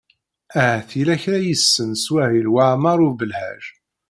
Ahat yella kra i yessen Smawil Waɛmaṛ U Belḥaǧ.